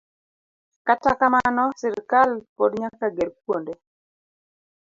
Kata kamano, sirkal pod nyaka ger kuonde